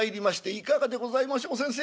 「いかがでございましょう先生。